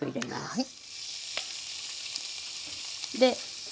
はい。